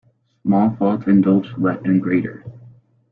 Small faults indulged let in greater.